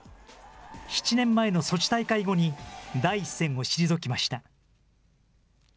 ７年前のソチ大会後に、第一線を退きました。